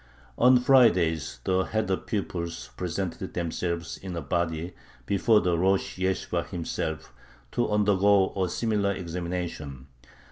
On Fridays the heder pupils presented themselves in a body before the rosh yeshibah himself, to undergo a similar examination.